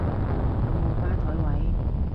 有冇吧枱位？